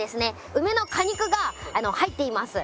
梅の果肉が入っています。